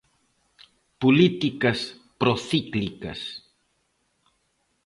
Políticas procíclicas.